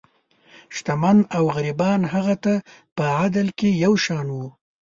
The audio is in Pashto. شتمن او غریبان هغه ته په عدل کې یو شان وو.